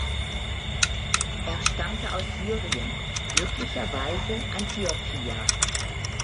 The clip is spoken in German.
Er stammte aus Syrien, möglicherweise Antiochia.